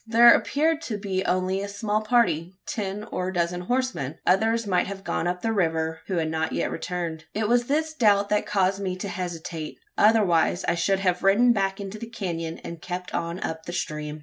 There appeared to be only a small party ten or a dozen horsemen. Others might have gone up the river, who had not yet returned. It was this doubt that caused me to hesitate; otherwise I should have ridden back into the canon, and kept on up the stream.